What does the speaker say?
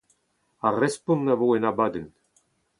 Ar respont a vo en abadenn.